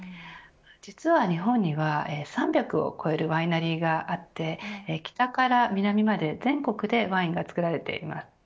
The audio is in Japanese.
実は日本には３００を超えるワイナリーがあって北から南まで全国でワインが作られています。